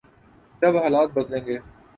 جب حالات بدلیں گے۔